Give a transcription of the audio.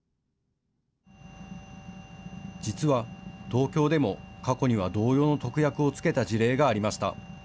実は東京でも過去には同様の特約を付けた事例がありました。